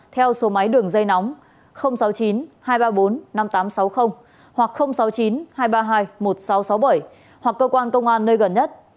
theo số máy đường dây nóng sáu mươi chín hai trăm ba mươi bốn năm nghìn tám trăm sáu mươi hoặc sáu mươi chín hai trăm ba mươi hai một nghìn sáu trăm sáu mươi bảy hoặc cơ quan công an nơi gần nhất